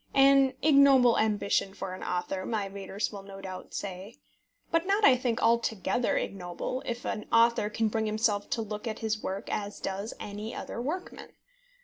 An ignoble ambition for an author, my readers will no doubt say. But not, I think, altogether ignoble, if an author can bring himself to look at his work as does any other workman.